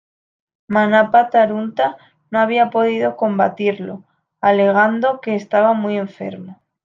Manapa-Tarhunta no había podido combatirlo, alegando que estaba muy enfermo.